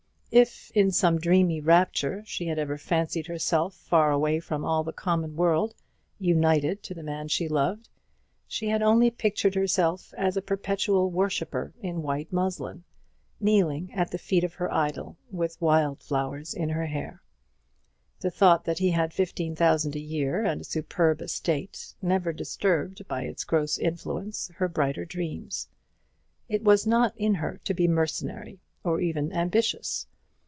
If, in some dreamy rapture, she had ever fancied herself far away from all the common world, united to the man she loved, she had only pictured herself as a perpetual worshipper in white muslin, kneeling at the feet of her idol, with wild flowers in her hair. The thought that he had fifteen thousand a year, and a superb estate, never disturbed by its gross influence her brighter dreams; it was not in her to be mercenary, or even ambitious.